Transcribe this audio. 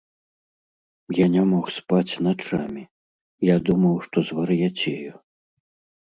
Я не мог спаць начамі, я думаў, што звар'яцею.